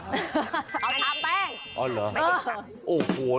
เอาทำแป้ง